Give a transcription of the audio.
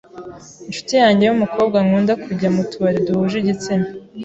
inshuti yanjye yumukobwa nkunda kujya mu tubari duhuje igitsina.